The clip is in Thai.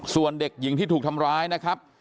ส่วนเด็กหญิงที่ถูกทำร้ายนะครับ